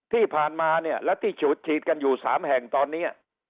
ที่ผ่านมาเนี่ยแล้วที่ฉูดฉีดกันอยู่๓แห่งตอนนี้